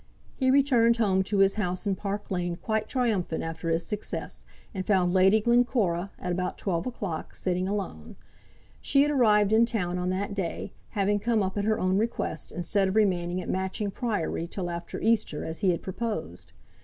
He returned home to his house in Park Lane quite triumphant after his success, and found Lady Glencora, at about twelve o'clock, sitting alone. She had arrived in town on that day, having come up at her own request, instead of remaining at Matching Priory till after Easter, as he had proposed.